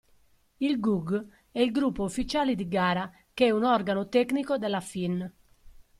Il GUG è il gruppo ufficiali di gara, che è un organo tecnico della FIN.